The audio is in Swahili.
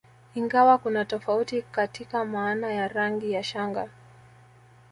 Ingawa kuna tofauti katika maana ya rangi ya shanga